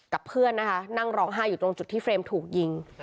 เพื่อนนะคะนั่งร้องไห้อยู่ตรงจุดที่เฟรมถูกยิง